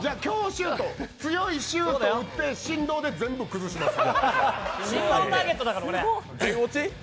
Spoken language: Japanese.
強いシュートを打って振動で全部崩します。